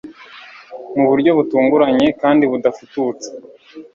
mu buryo butunguranye kandi budafututse